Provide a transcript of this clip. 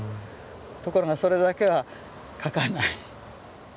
ところがそれだけは書かない。